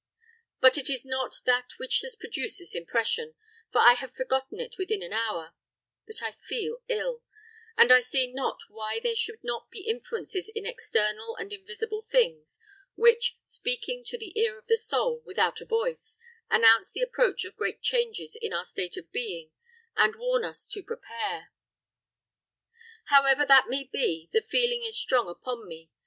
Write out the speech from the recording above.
But it is not that which has produced this impression, for I had forgotten it within an hour; but I feel ill; and I see not why there should not be influences in external and invisible things which, speaking to the ear of the soul, without a voice, announce the approach of great changes in our state of being, and warn us to prepare. However that may be, the feeling is strong upon me.